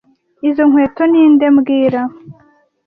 Izo nkweto ninde mbwira